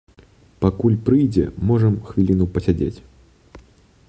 Пакуль прыйдзе, можам хвіліну пасядзець.